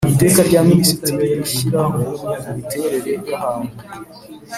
Iteka rya minisitiri rishyiraho imiterere y ahantu